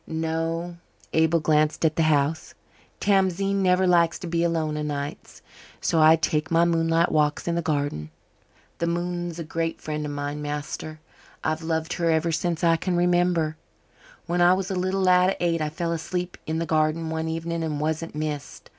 "No." Abel glanced at the house. "Tamzine never likes to be alone o' nights. So I take my moonlight walks in the garden. The moon's a great friend of mine, master. I've loved her ever since I can remember. When I was a little lad of eight I fell asleep in the garden one evening and wasn't missed.